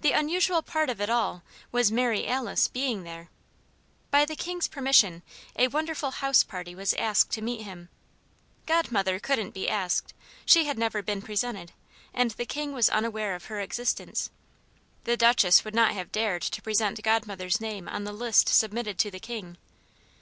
The unusual part of it all was Mary Alice being there. By the King's permission a wonderful house party was asked to meet him. Godmother couldn't be asked; she had never been presented, and the King was unaware of her existence. The Duchess would not have dared to present Godmother's name on the list submitted to the King.